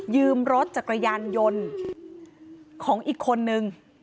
รถจักรยานยนต์ของอีกคนนึง